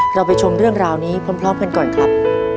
เราไปชมเรื่องราวนี้พร้อมกันก่อนครับ